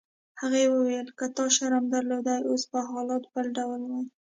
هغې وویل: که تا شرم درلودای اوس به حالات بل ډول وای.